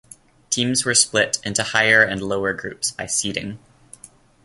Teams were split into higher and lower groups by seeding.